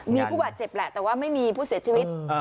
มีผู้บาดเจ็บแหละแต่ว่าไม่มีผู้เสียชีวิต